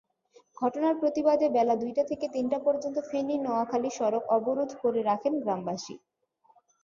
ঘটনার প্রতিবাদে বেলা দুইটা থেকে তিনটা পর্যন্ত ফেনী-নোয়াখালী সড়ক অবরোধ করে রাখেন গ্রামবাসী।